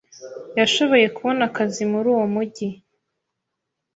Yashoboye kubona akazi muri uwo mujyi.